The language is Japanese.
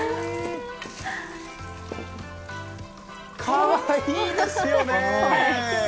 かわいいですよね。